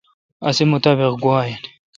اسی مطابق گوا این۔